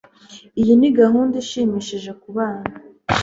Iyi ni gahunda ishimishije kubana.